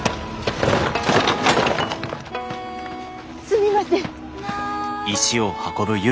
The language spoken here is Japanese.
すみません。